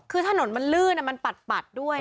คือถนนมันลื่นอ่ะมันปัดปัดด้วยนะ